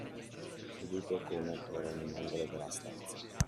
Seduto come era in un angolo della stanza